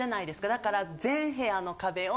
だから。